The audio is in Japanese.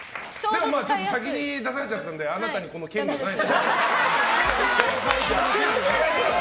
でも先に出されちゃったのであなたにこの権利はない。